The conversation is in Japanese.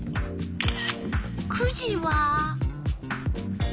９時は。